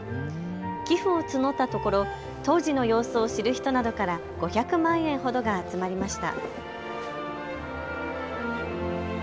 寄付を募ったところ当時の様子を知る人などから５００万円ほどが集まりました。